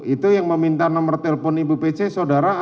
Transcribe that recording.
itu yang meminta nomor telepon ibu pc saudara a